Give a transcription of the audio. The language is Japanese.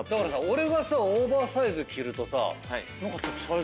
俺がさオーバーサイズ着るとさ何かちょっと。